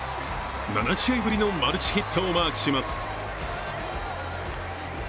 ７試合ぶりのマルチヒットをマークします。